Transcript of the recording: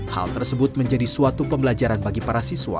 hal tersebut menjadi suatu pembelajaran bagi para siswa